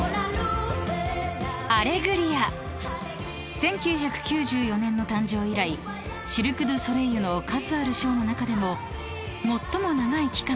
［１９９４年の誕生以来シルク・ドゥ・ソレイユの数あるショーの中でも最も長い期間